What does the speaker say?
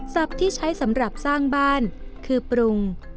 ที่ใช้สำหรับสร้างบ้านคือปรุง